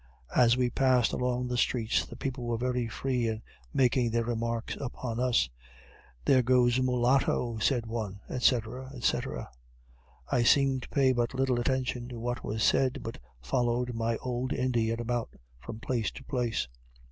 As we passed along the streets the people were very free in making their remarks upon us. "There goes a mulato," said one, &c., &c. I seemed to pay but little attention to what was said, but followed my old Indian about from place to place.